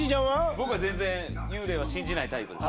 僕は全然幽霊は信じないタイプです。